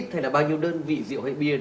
hay là bao nhiêu đơn vị rượu hay bia